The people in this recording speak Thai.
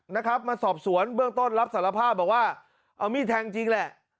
นะครับมาสอบสวนเบื้องต้นรับสารภาพบอกว่าเอามีดแทงจริงแหละ